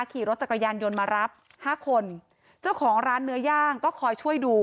ขี่รถจักรยานยนต์มารับห้าคนเจ้าของร้านเนื้อย่างก็คอยช่วยดู